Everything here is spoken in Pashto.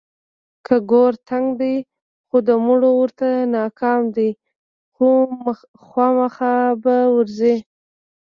که ګور تنګ دی خو د مړو ورته ناکام دی، خوامخا به ورځي.